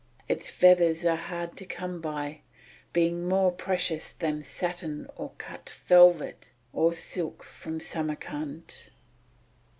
Its feathers are hard to come by, being more precious than satin or cut velvet, or silk from Samarcand."